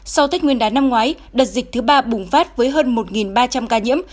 sau tết nguyên đán năm ngoái đợt dịch thứ ba bùng phát với hơn một ba trăm linh ca nhiễm